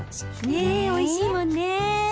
ねえおいしいもんね。